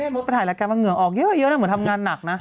มดไปถ่ายรายการมันเหงื่อออกเยอะนะเหมือนทำงานหนักนะ